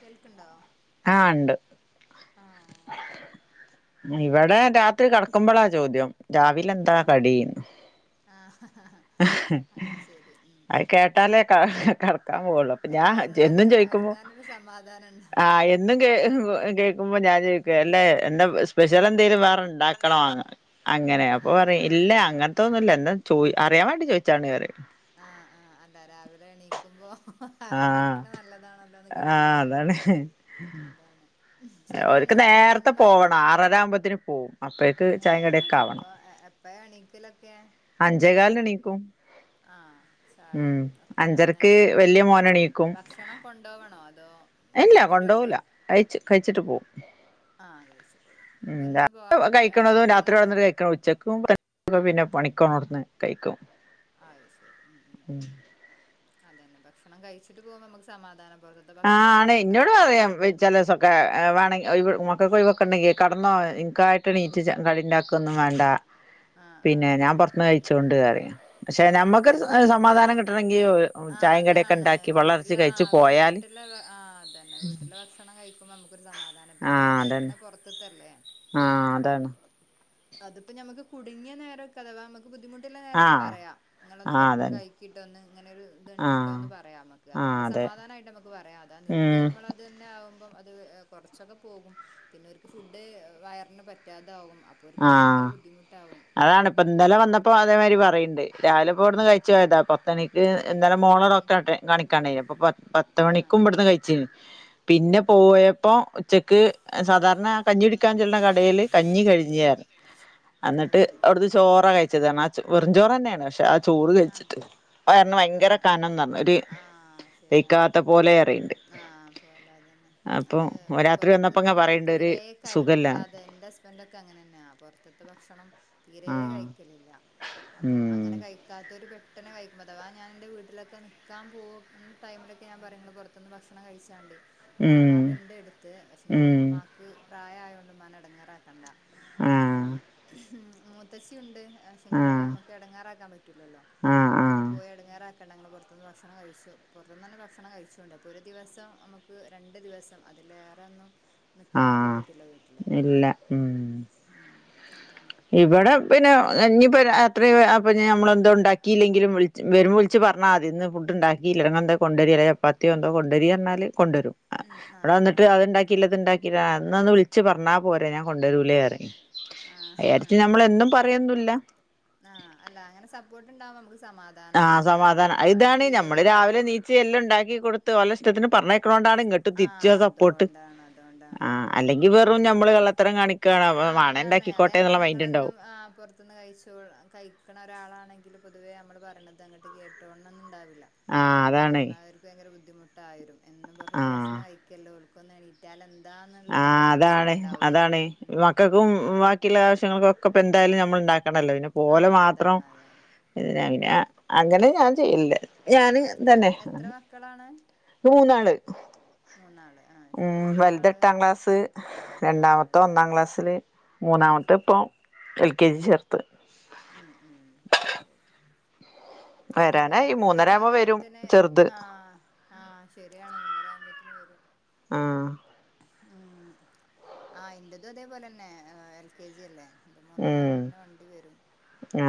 കേൾക്കുണ്ടാ ആ ഉണ്ട് ഓക്കെ ഇവിടെ രാത്രി കടക്കുമ്പോളാ ചോദ്യം രാവില എന്താ കടീന്ന് ആഹ് ആഹ് ഹ്ഹാ അത് ശരി ഉം അത് ഉം കേട്ടാലേ ക കടക്കാൻ പോവുള്ളു അപ്പ ഉറങ്ങാൻ ഉറങ്ങാനൊരു സമാധാനം ഉണ്ടാവു ആ എന്നും കേ കേൾക്കുമ്പോ ഞാൻ ചോയിക്കും അല്ലെ എന്റെ സ്പെഷ്യൽ എന്തേലും വേണ ണ്ടാക്കണോന്ന് അങ്ങനെ അപ്പൊ ആഹ് പറയും ആഹ് ഇല്ല ആഹ് അങ്ങനത്തൊന്നുമില്ല എന്താ ചോയ് അറിയാൻ വേണ്ടി ചോയിച്ചാണ് പറയും ആ അല്ല രാവിലെ എണീക്കുമ്പോ ആഹ് അറിഞ്ഞിരിക്കണ നല്ലതാണല്ലോന്ന് ആഹ് അതാണ് കരുതിയിട്ടായിരുന്നു അതാണ് ശരിയാണ് ഓര്ക്ക് രാവിലെ നേരത്തെ ഇനി മ പോവണം ആറര ആകുമ്പോഴത്തേക്കും പോവും അപ്പഴേക്ക് ചായിം ഏഹ് കടിം ഒക്കെ ആവണം അപ്പൊ എപ്പഴാ എണീക്കലൊക്കെ അഞ്ചേ കാലിനെണീക്കും ആഹ് ചായയും ഒക്കെ ആ നേര അഞ്ചരക്ക് വല്യ ആവുമ്പോത്തേക്ക് മോനെണീക്കും ഭക്ഷണം കൊണ്ടു പോവണോ അതോ ഇല്ല കൊണ്ടുപോവൂല കഴിച്ച് കഴിച്ചിട്ട് പോവും ആഹ കഴി മ് രാത്രി കഴിക്കണതും എടുത്തന്നെ രാത്രി വന്നിട്ട് ആയാലും കഴിക്കണതും ഉച്ചക്കും പിന്നെ പണിക്കോണിടത്തിന്ന് കഴിക്കും അത് ശരി ഉ ഉ ഉ അതന്നെ ഭക്ഷണം കഴിച്ചിട്ട് പോകുമ്പ നമ്മക്ക് സമാധാനം പുറത്തത്തെ ആ ഭക്ഷണം ആണ് ഇന്നോട് കഴിക്കണ്ടല്ലോ പറയും ചെലോസൊക്കെ വേണെങ്കിൽ ഒഴിവുള്ള ഒക്ക കുഴി വെക്കണ്ടെങ്കി കടന്നോ ഇനക്കായിട്ട് എണീച്ച് ഉണ്ടാക്കേന്നും വേണ്ട ആഹ് പിന്നെ ആഹ് ഞാൻ പൊറത്തൂന്ന് കഴിച്ചോണ്ട് പറയും പക്ഷെ ആഹ് ഞമ്മക്കൊരു ആഹ് സ സമാധാനം കിട്ടണെങ്കി ആഹ് ചായേം കടീക്കിണ്ടാക്കി പള്ള നിറച്ച് കഴിച്ച് പോയാല് ആ അതന്നെ വീട്ടിലെ ഭക്ഷണം കഴിക്കുമ്പോൾ നമുക്കൊരു സമാധാനം പിന്നെ അവര് ആഹ് കഴിക്കണ അതന്നെ പുറത്തത്തല്ലേ ആഹ് അതാണ് അതിപ്പോ ഞമ്മക്ക് കുടുങ്ങിയ നേരമൊക്കെ അഥവാ അങ്ങ് ബുദ്ധിമുട്ടുള്ള നേരൊക്കെ ആഹ് പറയാ ഇങ്ങളൊന്ന് ആഹ് പൊറത്തുന്ന് അതന്നെ കഴിക്ക്‌ ട്ടോ ന്ന് ഇങ്ങനെ ഒരു ഇത് ആഹ് ഇണ്ട്ട്ടോന്ന് പറയാ അമ്ക്ക് ആഹ് അതോണ്ട് അതെ സമാധാനായിട്ട് നമുക്ക് പറയാ അതാന്ന് നിത്യാ ഉം ആവുമ്പോൾ അത് തന്നെ ആവുമ്പോ അത് കൊർച്ചൊക്കെ പോകും പിന്നെ ഓര്ക്ക് ഫുഡ് വയറിന് പറ്റാതാവും അപ്പൊ ആ ഓർക്കത് ഭയങ്കര ബുദ്ധിമുട്ടാവും അതാണ് ഇപ്പം ഇന്നലെ വന്നപ്പോ അതേമാതിരി പറയ് രാവിലെപ്പോ ഇവിടുന്ന് ഉം കഴിച്ചു പോയതാ പത്തണിക്ക് ഉം ഇന്നലെ മോളെ ഉം ഡോക്ടറെ ആട്ടെ കാണിക്കാൻ ണ്ടെനു ഇപ്പൊ പത്ത് ആ മണിക്കുമ്പ്ടുന്ന് കയിച്ച് പിന്നെ ഉം പോയപ്പോ ഉച്ചക്ക് ഉം സാധാരണ കഞ്ഞി കുടിക്കാൻ ചെല്ല്ന്ന കടേല് കഞ്ഞി കഴി ഞ്ഞ അത് അന്നിട്ട് ശരി അവുടുന്ന് ഉം ചോറാ കഴിച്ചത് ആ ചോ വെറുംചോറെ ന്നെയാണ് പക്ഷെ ആ ചോറ് ആ കയിച്ചിട്ട് വയറിന് ആ ഭയങ്കര കനം ന്ന് പറഞ്ഞ് ഒര് ആ ദഹിക്കാത്ത പോലെ പറേയ്ണ്ട് ആ പോകാറില്ല അത് രാത്രി വന്നപ്പോ ഇങ്ങനെ പൊറത്ത്ന്ന് പറയണ്ട് ഒരു തീരെ സുഖല്ലാന്ന് കഴിക്കാതെ ന്റെ ഹസ് ഹസ്ബൻഡ് ഒക്കെ അങ്ങനെന്നെയാ പൊറ്ത്ത്ത്തെ ഭക്ഷണം തീരെ ആഹ് കഴിക്കലില്ല അപ്പം ഉം അങ്ങനെ കയി അങ്ങനത്തൊര് പെട്ടെന്ന് കഴിക്കും അഥവാ ഞാൻ എന്റെ വീട്ടിലൊക്കെ നിക്കാൻ പോകുന്ന ടൈമിലൊക്കെ ഞാൻ പറയും ങ്ങള് പുറത്ത്ന്ന് ഭക്ഷണം കഴിച്ചാണ്ടി തറവാട് ഉം ഇണ്ട് അടുത്ത് പക്ഷെങ്കില് ഉം ഉമ്മാക്ക് പ്രായ ആയോണ്ട് ഉമ്മാനെ എടങ്ങാറാക്കണ്ടാ ആഹ് മൂത്തശ്ശിയുണ്ട് പക്ഷെങ്കില് ആഹ് നമക്ക് എടങ്ങാറാക്കാൻ പറ്റോ ആഹ് അപ്പൊ ഇനി ആഹ് പോയി എടങ്ങാറ് ണ്ട പൊറത്തുന്ന് ഭക്ഷണം കഴിച്ചു പൊറത്തുന്നന്നെ ഭക്ഷണം കഴിച്ചോണ്ട് അപ്പൊ ഒരു ദിവസം നമുക്ക് രണ്ടു ദിവസം അതിലേറെ ഒന്നും നിക്കാനും ആഹ് പറ്റത്തില്ല വീട്ടില് ഇല്ല ഉം അതാണ് ഇവിടെ പിന്നെ ഇനി ഇപ്പോ രാത്രി അപ്പം നമ്മളെന്തോ ഉണ്ടാക്കിയില്ലെങ്കിലും വിളിച്ച് വരുമ്പോ വിളിച്ച് പറഞ്ഞാതി ഇന്ന്ഫുഡ്ണ്ടാക്കി ഇല്ല ഇങ്ങള് എന്തേ കൊണ്ടേരി അല്ല ചപ്പാത്തിയോ എന്തോ കൊണ്ടെരി പറഞ്ഞാൽ കൊണ്ടൊരും ഉം ഇവിടെ ആഹ് വന്നട്ട് കൊണ്ടുവരും അത്ഇണ്ടാക്കില്ല ഇത്ണ്ടാക്കി എന്നാ ഒന്ന് വിളിച്ച് പറഞ്ഞാൽ പോരെ ഞാൻ കൊണ്ടൊരൂലെ പറയും അയ്യെയിരത്തി നമ്മള് എന്നും പറയൊന്നുല്ല ആ അല്ല അങ്ങനെ സപ്പോർട്ട് ഉണ്ടാവം നമക്ക് സമാ ആ സമാധാനാ അത് ഇതാണ് ഞമ്മള് അവ രാവിലെ എനീച്ചി എല്ലൊം ഇണ്ടാക്കി കൊടുത്ത് ഓലെ ഇഷ്ടത്തിന് പറഞ്ഞാ ക്കൊന്നോണ്ടാണ് ഇങ്ങട്ട് തിരിച്ച് ആഹ് ആ സപ്പോർട്ട് അതുകൊണ്ടാണ് അതുകൊണ്ടാണ് ആ അതുകൊണ്ടാണ് അല്ലെങ്കി വെറും ഞമ്മള് കള്ളത്തരം കാണിക്കാണപ്പം ആ അതാണ് അതാ ഞാൻ പറഞ്ഞേ ഇങ്ങളൊന്ന് ആ പൊർത്തുന്ന് കഴിച്ചാ കഴിക്കണ ഒരാളാണ് എങ്കിലും പൊതുവേ അമ്മള് പറയിണത് അങ്ങട്ട് കേട്ടോണംന്ന് ഇണ്ടാവില്ല ആഹ് അതാണ് കാരണം അവർക്ക് ഭയങ്കര ബുദ്ധിമുട്ടായിടും എന്നും പൊറത്ത്ത്തെ ഭക്ഷണം കഴിക്കല്ലോ ഓൾക്കൊന്ന് എണീറ്റാൽ എ ആ അതാണ് അതാണ് ഉം മക്കക്കും ഉം ബാക്കിയുള്ള ആവശ്യങ്ങൾക്കൊക്കെ എന്തായാലും നമ്മള് ഇണ്ടാക്കണല്ലോ പിന്നെ ഓലെ ആഹ് മാത്രം അതാണ് അതാണ് അങ്ങനെ ഞാൻ ചെയ്യില്ല ഞാന് എത്ര ഇങ്ങതന്നെ എത്ര മക്കളാണ് മൂന്നാള് മൂന്നാള് ആഹ് ഉം ശരി വലിയ വൽത് ആള് എട്ടാം ക്ലാസ് ആഹ് അത് രണ്ടാമത്തോൻ ശരി ഒന്നാക്ലാസ്സില് അത് മൂന്നാമത്തെ ശരി ഇപ്പൊ ഉം എൽ കെ ജി ചേർത്ത് ഉം ഉം അതന്നെ വരാനായി മൂന്നര അവർക്കൊക്കെ ആവുമ്പോ വരും നേരത്തിന് ചെറുത് ആ ആ ശരിയാണ് മൂന്നര ആവുമ്പോ ആ ആ ന്റെതും ഇതേപോലെന്നെ എൽ കെ ജി അല്ലേ അപ്പൊ മൂന്നര ഉം ആവുമ്പോത്തിന് വണ്ടി വരും ആ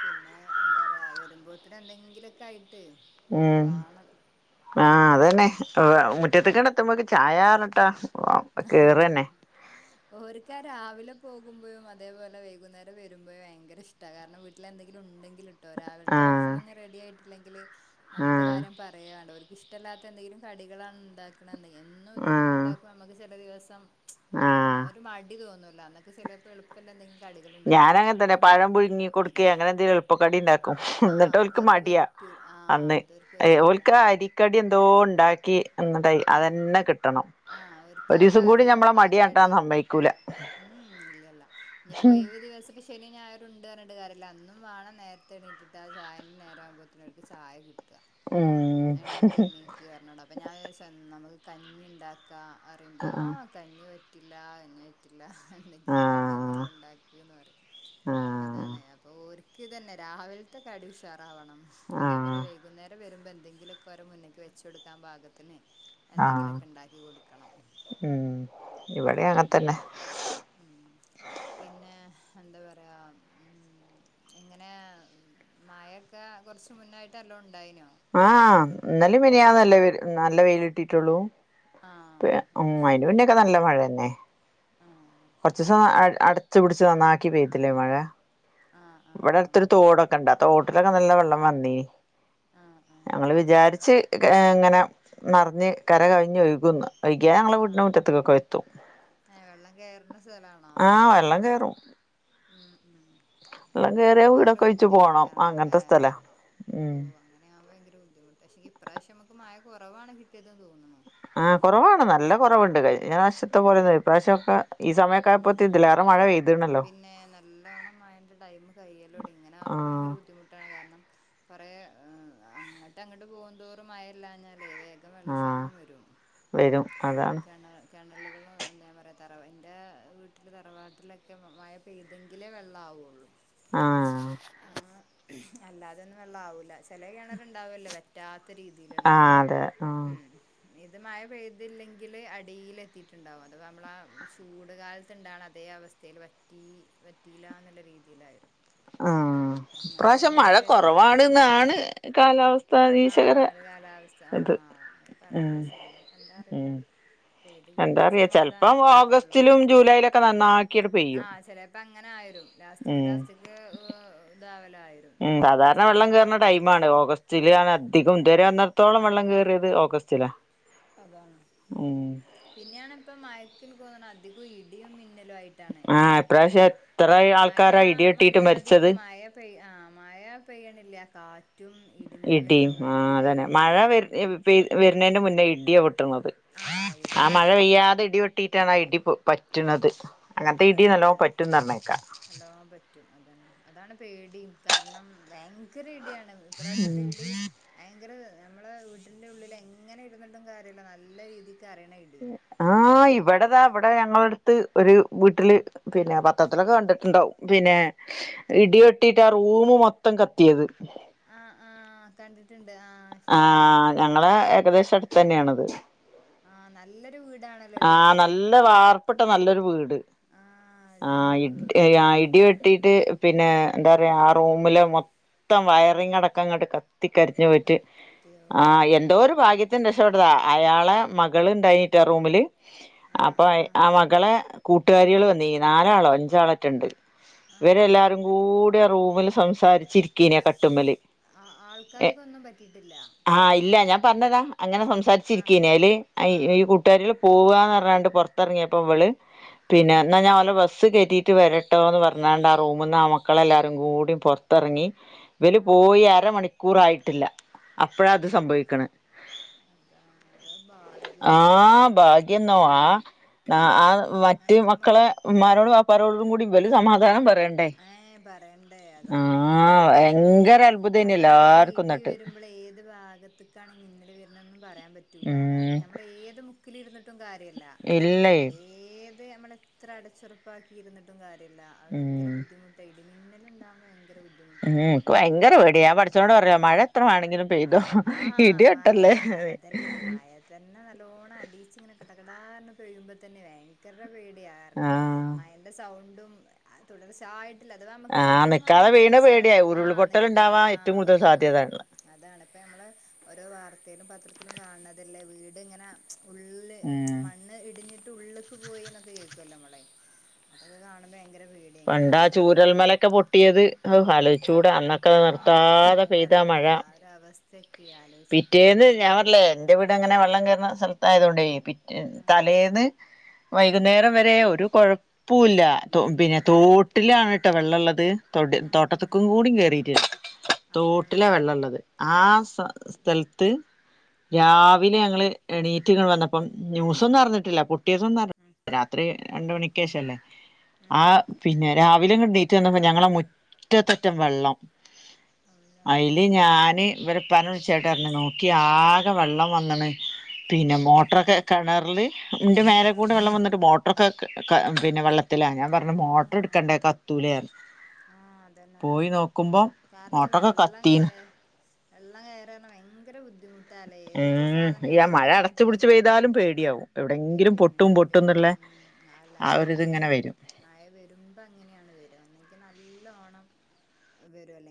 പിന്നേ എന്താപറയാ വരുമ്പോത്തിന് എന്തെങ്കിലൊക്കെ ക ഉം ഹാ അതന്നെ മുറ്റത്തക്ക്‌ അങ്ങ് എത്തുമ്പോക്കും ചായാറന്നിട്ടാ ഓര്ക്കാ രാവിലെ പോകുമ്പെഴും അതേ പോലെ വെകുന്നേരം വരുമ്പെഴും ഭയങ്കര ഇഷ്ടാ കാരണം വീട്ടിലെന്തെങ്കിലും ഉണ്ടെ ട്ടോ രാവിൽത്തെ ആഹ് ഭക്ഷണം ങ്ങീ റെഡി ആയിട്ടില്ലെങ്കിൽ അന്നത്തെ ആഹ് കാര്യം പറയാണ്ടോ ഓർക്ക് ഇഷ് ഇഷ്ടല്ലാത്ത എന്തെങ്കിലും കടികളാണ് ഉണ്ടാക്കണന്നെങ്കിൽ എന്നും ഇത് ഇങ്ങനെ ആഹ് ഇണ്ടാക്കും അമ്മക്ക് ചെല ദിവസം ഒരു ആഹ് ഒരു മടി തോന്നൂല അന്നൊക്കെ ചെലപ്പോ എളുപ്പല്ലെ എന്തേലും ഞാൻ അങ്ങനെ തന്നെയാ പഴം പുഴുങ്ങി കൊടുക്കെ അങ്ങനെന്തെലും എളുപ്പ കടി ഇണ്ടാ ക്കും എന്നിട്ട് ആഹ് ഓൽക്ക് അതോര്ക്ക് മടിയാ പറ്റൂല ആഹ് അന്ന് അതോര്ക്ക് പറ്റില്ല ഓൽക്ക് അതാണ് അരിക്കടിന്തോ ണ്ടാക്കി. എന്നട്ടായി ആഹ് അതന്നെ കിട്ടണം ആഹ് ഓര്ക്ക് ഒരു ആ ദിവസം കൂടി കറിയും നമ്മളെ ആ മടിയാട്ടാൻ കടിയും സമ്മയിക്കൂല. ഇല്ലല്ല ഞ്ഞിപ്പോ ഒഴ്വ്ദിവസം ശനിം ഞായറുണ്ട് റഞ്ഞിട്ട് കാര്യല്ല അന്നും വാണം നേത്തെണീറ്റിട്ട് ആ ചായേ നേരാ വുമ്പോത്തേന് അവർക്ക് ചായ കിട്ട ഉം എണീക്ക് എണീക്ക് എറഞ്ഞട അപ്പൊ ഞാൻ ജാചു നമുക്ക് കഞ്ഞി ഉണ്ടാക്കാ. അറിയുമ്പോ ആ ആഹ് കഞ്ഞി പറ്റില്ല കഞ്ഞി പറ്റില്ല എന്തെങ്കിലും കടി ആഹ് യെന്തെങ്കിലും ഉണ്ടാക്ക്ന്ന് റിം. ആഹ് അതാണ് അപ്പൊ ഓര് ഇതന്നെ രാവിലത്തെ കടി ഉഷാറാവണം. അതേപോലെ ആഹ് വൈകുന്നേരം വരുമ്പ എ എന്തെങ്കിലൊക്കെ ഓരെ മുന്നിക്ക് വെച്ചൊടുക്കാൻ പാകത്തിന് ആഹ് എന്തെങ്കിലുക്കെ ണ്ടാക്കി കൊട്ക്കണം. ഉം ഇവിടെ അതാണ് അങ്ങൻതന്നെ ഉം പിന്നെ? ന്താ പറയാ ഉം ഇങ്ങനെ മയൊക്കെ കുറച്ച് മുന്നായിട്ടെല്ലാം ണ്ടായിനൊ? ആ ഇന്നലെ മിഞ്ഞാന്നല്ലേ നല്ല വെയിലിട്ടിട്ടൊള്ളൂ? ആഹ് ഉം അത് അയിന് ശരി മുനെനക്കെ നല്ല മഴന്നെ. ആഹ് അത് ശരി കൊടച്ചൂ അടച്ച് പിടി ചൊ ന്നാക്കി പെയ്ത്തില്ലേ മഴ. ആഹ് ആഹ് വിടെടുത്തൊരു ആഹ് തോടൊക്കെണ്ട് ആ തോ ട്ടിലൊക്കെ നല്ല വെള്ളം വന്നിനീ. ആഹ് ആഹ് ഞങ്ങള് വിചാരിച്ച് ഇങ്ങനെ നെറഞ്ഞ് കരകവിഞ്ഞൊഴുകുന്നു. വയ്ക്യാ ഞങ്ങളെ വീടിൻ ആഹ് മുറ്റത്തേക്കൊക്കെ എത്തും. ഏഹ് വെള്ളം കേറുന്ന സ്ഥലാണോ ആഹ് വെള്ളം കേറും. ഉം ഉം വെള്ളം അങ്ങനെ കേറിയാ ആകുമ്പോ ഭയങ്കര വീടൊക്കൊഴിച്ച് പോണം അങ്ങൻത്തെ സ്ഥലാ. ഓ ഉം അങ്ങനാവുമ്പൊ ഭയങ്കര ബുദ്ധിമുട്ടാ. പക്ഷെ ഇപ്രാവശ്യ നമുക്ക് മഴ കുറവാണ് കിട്ടിയത് ത്തോന്നുണു ആ കുറവാണ് നല്ല കുറവ്ണ്ട് കഴിഞ്ഞ പ്രാശ്യത്തെ ഉം പോലെന്നൊല്ല ഇപ്രാവശ്യക്കെ ഈ സമയക്കായപോത്തിനി തിലേറെ മഴ പെയ്ത്. പിന്നേ നല്ലോണം മയന്റെ ടൈമ് കെയ്യൊലൊടങ്ങി. ഇങ്ങനാകുമ്പോ ആഹ് ഭയങ്കര ബുദ്ധിമുട്ടാണ്. കാരണം കൊറെ അ അങ്ങട്ട് അങ്ങട്ട് പോക്ന്തോറും മയല്ലാഞ്ഞ ല്ലെ വേഗം വെള്ള ആഹ് ക്ഷാമം വരും. വരും ആ അതാണ് കിണ കെണലുകളും എന്താ പറയാ തറവാ എൻ്റെ വീട്ടിൽ തറവാട്ടിലൊക്കെ ക്കെ മയ പെയ്തെങ്കിലേ വൊള്ളാവൊള്ളൂ. ആഹ് അല്ലാതൊന്നും വെള്ളാവൂല. ചെല കെണറ്ണ്ടാവല്ലോ വറ്റാത്ത രീതിയിലുള്ളത് ആഹ് ആ അതെ ആഹ് ഉം ഇത് മഴ പെയ്തില്ലെങ്കില് അടീലെത്തിയിട്ടുണ്ടാവും. അത് നമ്മളെ ചൂട് കാലത്ത്ണ്ടാവ്ണ അതേ അവസ് വറ്റീ വറ്റീലാന്ന്ള്ള രീതിയിലായിരുന്നു. ആ അ പ്രാവ്ശ്യം മഴ ഇടേല് കുറവാണ്ന്നാണ് കാലാവസ്ഥ ആഹ് നിരീക്ഷകരെ ഒരു കാലാവസ്ഥ ത് ആഹ് പറയണ്ട ഉം പക്ഷേ ഇനിപ്പ എന്താ അറിയൂല ഉം പെയ്ത് കിട്ടിയ എന്താറിയോ ചെലപ്പം സമാധാനം ഓഗസ്റ്റിലും ജൂലൈയിലൊക്കെ നന്നായി ആ ചെലേപ്പൊ അങ്ങനെ ആയുരും ലാസ്റ്റിക് ഉം ലാസ്റ്റിക് ഊ താവ ഉം സാധാരണ വെള്ളംകേറ്ണ ടൈമാണ് ഓഗസ്റ്റിലാണ് അധികും ദരെ വന്നട്ത്തോളം വെള്ളം അധികം കേറിയത് ഓഗസ്റ്റിലാ. അതാണ്. ഉം പിന്നെയാണ് പ്പ മയക്ക്ൻക്കോന്ന്ണ് അധികും ഇടിയും മിന്ന മന്നലായിട്ടാണ് ആഹ് ബുദ്ധിമുട്ട്. ഇപ്രാവശ്യം എത്ര ആൾക്കാരാ മയാ ഇടിവെട്ടിയിട്ട് മര്യാദക്ക് മരിച്ചത് മയ പെയ് ആ മയാ പെയ്യ്ണില്ല കാ ഇടിയും ആ അതന്നെ. മഴ ഇടിയും വെ അതാണ് ഭയങ്ക പെയ് വെരുണേന്റെ മുന്നേ ഇടിയാ പൊ ട്ടുണത്. ആ ആ ഇടിയാ മഴ പൊട്ടണത് പെയ്യാതെ ഇടി വെട്ടിട്ടാണ് ആ ഇടി പറ്റ്ണത്. അതാണ് അല എല്ലാം പറ്റും അതന്നെ. അതാണ് പേടിം കാരണം ഭയങ്കര ഇട്യണ് വിപ്രാവശ്യത്തെ ഇടി ഭയങ്കര നമ്മളെ വീട്ടിന്റെ ഉള്ളില് എങ്ങനെ ഇടുന്നിട്ടും കാര്യല്ല നല്ല ഇടി അറിയണ ആ ഇവടതാ വ്ടെ ഞങ്ങളടുത്ത് ഒരു വീട്ടില് പിന്നെ പത്രത്തിലൊക്കെ കണ്ടിട്ടുണ്ടാവും പിന്നെ ഇ ഇടി വെട്ടിട്ട് ആ റൂമ് മൊത്തം കത്തിയത് ആ ആ കണ്ടിട്ടുണ്ട് ആ ഞങ്ങള ഏകദേശം അടുത്ത് തന്നെയാണത് ആ നല്ലൊരു വീടാണല്ലോല്ലേ ആ അത് നല്ല വാർപ്പിട്ട നല്ലൊരു വീട് ആഹ് ആ അടിപൊളി വീടാ ഇടി വെട്ടിട്ട് പിന്നെ എന്താ പറയാ ആ റൂമില് മൊത്തം വയറിംഗ് അടക്കം അങ്ങോട്ട് കത്തിക്കരിഞ്ഞ് ആ സത്യവുന്റെമ്മ എന്തോ ഒരു ഭാഗ്യത്തിന് രക്ഷപ്പെടതാ അയാളെ മകള് ഉണ്ടായിട്ടാ റൂമില് ആഹ് അപ്പൊ ആഹ് ആ മകളെ കൂട്ടുകാരികൾ വന്നീന് നാലാളോ അഞ്ചാളാ മറ്റുണ്ട് ഇവരെ ആഹ് എല്ലാരും കൂടി റൂമിൽ സംസാരിച്ചു ച്ചിരിക്കുരുന്നു ആ കട്ടുമ്മേല് ഏ കേട്ടില്ല ആഹ് ഇല്ല ഞാൻ പറഞ്ഞതാ അങ്ങനെ സംസാരിച്ചിരിക്കനാല് ആഹ് ഈ ആഹ് കൂട്ടുകാരികൾ പോവന്ന് പറഞ്ഞ് ങ്ങാണ്ട് പുറത്തിറങ്ങിയപ്പോ ഇവള് പിന്നെ ഉം എന്നാ ഞാൻ ഓലെ ബസ്സ് കയറ്റിയിട്ട് റ്റിയിട്ട് വരട്ടോ എന്ന് പറഞ്ഞാണ്ട് ആ റൂമിൽ നിന്ന് ആ മക്കളെല്ലാവരും കൂടി പുറത്തിറങ്ങി ഇവല് ആഹ് പോയി അരമണിക്കൂർ ആയിട്ടില്ല അപ്പഴാ ഇത് അതെ സംഭവിക്കണെ അതാണ് ഓരോ ആ ഭാഗ്യല്ലേ ഭാഗ്യന്നോ ആ ഉം ആ വ മറ്റ് മറ്റേ മൊ മക്കളെ ഉമ്മാനോടും ബാപ്പാരോടും കൂടി ഇവര് സമാധാനം പറയണ്ടേ പറയണ്ടേ ഏഹ് പറയണ്ടേ ആ അതാണ് അള്ളാ ഭയങ്കര അത്ഭുതാരുന്നെ എല്ലാർക്കും വരുമ്പോളെ ഏത് ഭാഗത്തക്കാണ് ഈ മിന്നല് വരണെന്ന് പറയാൻ പറ്റൂല്യ ഉം കാരണം നമ്മൾ ഏത് മുക്കില് ഇരുന്നിട്ടും കാര്യല്ല ഇല്ലേ ഏ അത് നമ്മളെ എത്ര അടച്ചുറപ്പാക്കിയിരുന്നട്ടും കാര്യമില്ല ഭയങ്ക ഉം ബുദ്ധിമുട്ടായി ഇടിമിന്നലുണ്ടാകുമ്പ ഉം എനിക്ക് ഭയങ്കര പേടിയ ഞാൻ പഠച്ചോനോട് പറയും മഴ എത്രമാണെങ്കിലും പെയ്തോ ആഹാ ഇടി മഴ വെട്ടല്ലേ അതല്ല മഴ തന്നെ നല്ലോണ്ണം അടിയിച്ച് ഇങ്ങനെ കട്കടാറാന്ന് പെയ്യുമ്പോ തന്നെ ഭയങ്കര പേടിയ കാരണം ആഹ് മഴന്റെ സൗണ്ടും തുടർച്ചയായിട്ട് അല്ല അത് നമുക്ക് ആഹ് കിട്ടണ മഴ നിക്കാതെ എങ്ങനെ പെയ്യ്ണ വെച്ചാല് പേടിയായി ആ ഉരുൾപൊട്ടൽ ഉണ്ടാവാൻ നിക്കാതെ ആ ഏറ്റവും കൂടുതൽ ഉരുൾപൊട്ടൽ സാധ്യതള്ള അതാണ് ഇപ്പ നമ്മള് ഓരോ വാർത്തയിലും പത്രത്തിലും കാണണതല്ലേ വീട് ഇങ്ങനെ ഉള്ളില് ഉം മണ്ണ് ഇടിഞ്ഞിട്ട് ഉള്ളിക്ക് പോയിനൊക്കെ കേൾക്കല്ലോ നമ്മള് അതൊക്കെ കാണുമ്പോ പേടിയാ പണ്ട് ആ എങ്ങനെയാണെന്ന് അറിയൂല്ലല്ലോ ചൂരൽമലൊക്കെ പൊട്ടിയത് ഹെ ആലോചിച്ചൂട അന്നൊക്കെ നിർത്താതെ പെയ്താ അത് ആ ഒരു അവസ്ഥ പിറ്റേന്ന് ഞാൻ പറഞ്ഞല്ലേ എന്റെ വീടങ്ങനെ വെള്ളം കയറുന്ന സ്ഥലത്ത ആയത് കൊണ്ടേ ഉം തലേന്ന് ഉം വൈകുന്നേരം വരെ ഒരു കുഴപ്പല്ല പിന്നെ ഉം ഉം തോട്ടിലാണ് കേട്ടോ വെള്ളമുള്ളത് തൊ ഉം ഉം തോട്ടത്തേക്കും കൂടിയും കേയറിട്ടാണ് അതാണ് തോട്ടിലാ വെള്ളമുള്ളത് ആ സ് സ്ഥലത്ത് ഉം രാവിലെ ഞങ്ങള് എണീ റ്റിങ്ങ് വന്നപ്പം ന്യൂസന്നും അഞ്ഞിട്ടില്ല പിറ്റേസം ഒന്നും ഉം രാത്രി ഉം രണ്ട് ഉം മണിക്ക് ശേഷംല്ലേ ആ ഉം പിന്നെ രാവിലെ ഇങ്ങട് എണീറ്റ് വന്നപ്പം ഞങ്ങളുടെ മുറ്റത്തറ്റം വെള്ളം അതാണ് അയില് ഉം ഞാന് ഇവരടെ ഉപ്പാനെ വിളി ചേട്ടാനോക്കി ആകെ വെള്ളം വന്നണ് പിന്നെ മോട്ടറെക്കെ കിണറിൽ ന്റെ മേലെ കൂടെ ആഹ് വെള്ളം വന്നിട്ട് മോട്ടറോക്കെ പിന്നെ വെള്ളത്തിലാ ഞാൻ പറഞ്ഞു ആഹ് എടുക്കണ്ടേ കത്തൂല പറഞ്ഞു ആഹ് അതന്നെ പോയി അതന്നെ നോക്കുമ്പോ കാരണം ഈ വെള്ളം ക വെള്ളം കയറന്ന ഭയങ്കര ബുദ്ധിമുട്ട് ഉം ഈ ആ മഴ അടച്ചു പിടിച്ച് പെയ്താലും വെക്കണ്ടത് പേടിയാവും എവിടെങ്കിലും പൊട്ടും പൊട്ടുന്നല്ലേ ഉആല്ല മഴ മഴ വരുമ്പോ അങ്ങനെയാണ് വരുക ഒന്ന് നല്ല ഓണം വരും അല്ലെ